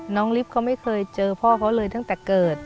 ลิฟต์เขาไม่เคยเจอพ่อเขาเลยตั้งแต่เกิด